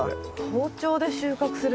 包丁で収穫するんだ。